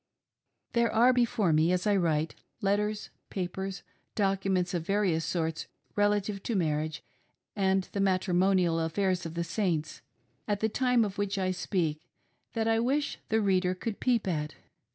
There are before me as I write, letters, papers, documents of various sorts relative to marriage and the matrimonial affairs of the Saints, at the time of which I speak, that I wish the reader could peep at.